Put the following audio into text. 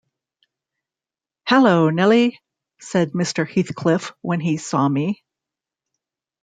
‘Hallo, Nelly!’ said Mr. Heathcliff, when he saw me.